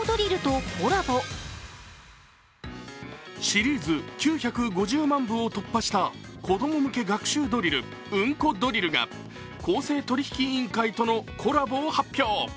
シリーズ９５０万部を突破した子供向け学習ドリル、「うんこドリル」が公正取引委員会とのコラボを発表。